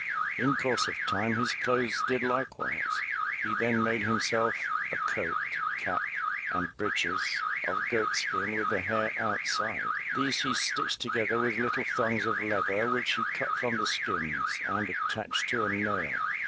In course of time his clothes did like wise. He then made himself a coat, cap and breeches of goatskin with the hair outside. These he stitched together with little thongs of leather which he cut from the skins and attached to a nail.